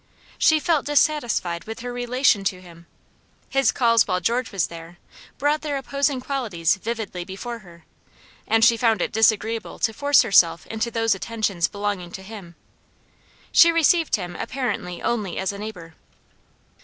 She felt dissatisfied with her relation to him. His calls while George was there, brought their opposing qualities vividly before her, and she found it disagreeable to force herself into those attentions belonging to him. She received him apparently only as a neighbor.